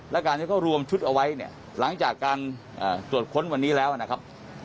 และการที่เขารวมชุดเอาไว้เนี่ยหลังจากการตรวจค้นวันนี้แล้วนะครับ